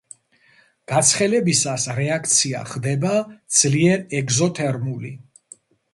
გაცხელებისას რეაქცია ხდება ძლიერ ეგზოთერმული.